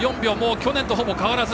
去年とほぼ変わらず。